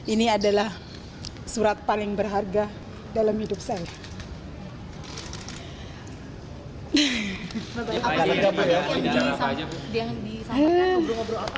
ini adalah surat paling berharga dalam hidup saya